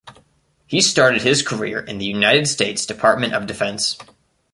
He started his career in the United States Department of Defense.